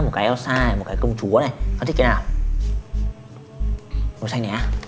màu hồng này đẹp này